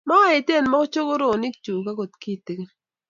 maeten mochokoronikchu akot kitegen